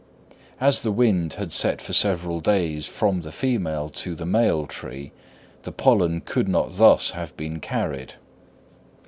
As the wind had set for several days from the female to the male tree, the pollen could not thus have been carried.